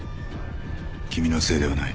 君のせいではない。